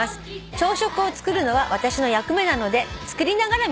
「朝食を作るのは私の役目なので作りながら見ております」